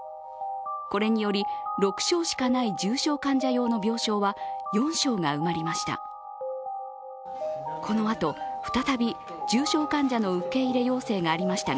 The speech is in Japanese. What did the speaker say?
これにより６床しかない重症患者用の病床は４床が埋まりました。